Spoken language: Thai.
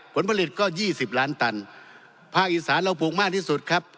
ผลผลิตก็ยี่สิบล้านตันภาคอีสานเราปลูกมากที่สุดครับ